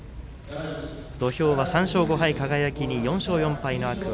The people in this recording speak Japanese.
土俵は３勝５敗、輝に４勝４敗の天空海。